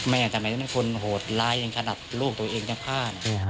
ทำไมจะเป็นคนโหดร้ายถึงขนาดลูกตัวเองจะฆ่า